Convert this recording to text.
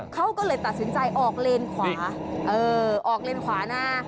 เขาก็เลยตัดสินใจออกเลนขวาเออออกเลนขวานะ